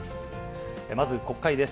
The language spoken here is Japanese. まず国会です。